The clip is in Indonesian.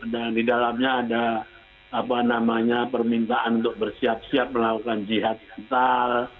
dan di dalamnya ada apa namanya permintaan untuk bersiap siap melakukan jihad mental